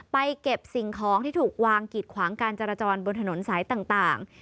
เก็บสิ่งของที่ถูกวางกิดขวางการจราจรบนถนนสายต่าง